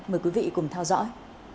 mời quý vị cùng theo dõi